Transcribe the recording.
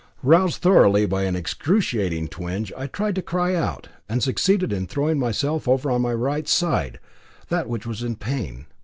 Roused thoroughly by an excruciating twinge, I tried to cry out, and succeeded in throwing myself over on my right side, that which was in pain.